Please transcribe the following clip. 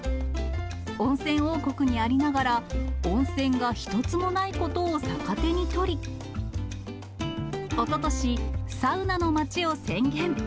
温泉王国にありながら、温泉が一つもないことを逆手に取り、おととし、サウナのまちを宣言。